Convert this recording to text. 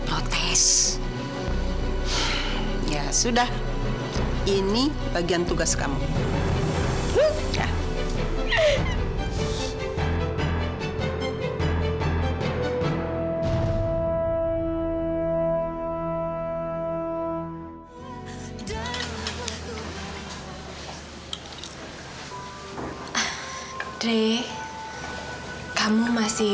masih udah pusing dia